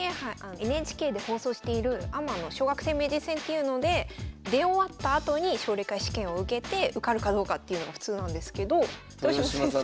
ＮＨＫで放送しているアマの小学生名人戦というので出終わったあとに奨励会試験を受けて受かるかどうかっていうのが普通なんですけど豊島先生。